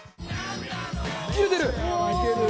切れてる！